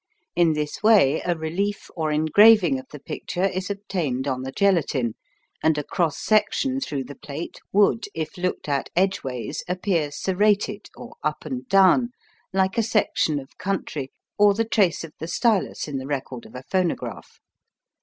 In this way a relief or engraving of the picture is obtained on the gelatine, and a cross section through the plate would, if looked at edgeways, appear serrated, or up and down, like a section of country or the trace of the stylus in the record of a phonograph.